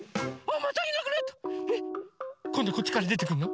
こんどこっちからでてくるの？